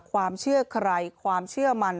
ความเชื่อใครความเชื่อมัน